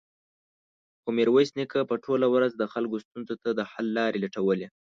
خو ميرويس نيکه به ټوله ورځ د خلکو ستونزو ته د حل لارې لټولې.